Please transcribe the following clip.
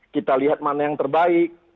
kita lihat mana yang terbaik